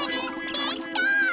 できた！